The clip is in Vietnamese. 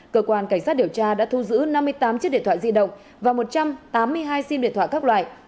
cơ quan cảnh sát điều tra đã thu giữ năm mươi tám chiếc điện thoại di động và một trăm tám mươi hai sim điện thoại các loại